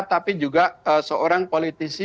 tapi juga seorang politisi